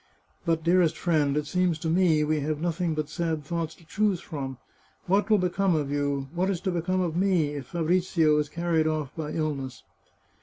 " But, dearest friend, it seems to me we have nothing but sad thoughts to choose from. What will become of you, what is to become of me, if Fabrizio is carried off by ill ness